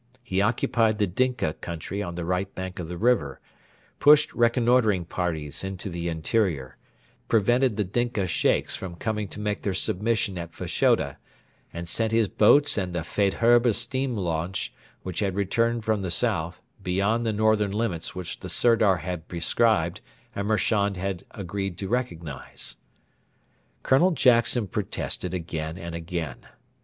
He occupied the Dinka country on the right bank of the river, pushed reconnoitring parties into the interior, prevented the Dinka Sheikhs from coming to make their submission at Fashoda, and sent his boats and the Faidherbe steam launch, which had returned from the south, beyond the northern limits which the Sirdar had prescribed and Marchand had agreed to recognise. Colonel Jackson protested again and again.